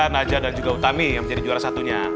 naja dan juga utami yang menjadi juara satunya